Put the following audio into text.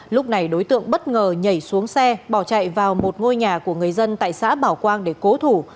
lúc này đối tượng bất ngờ nhảy xuống xe bỏ chạy vào một ngôi nhà của người dân tại xã bảo quang để cố thủ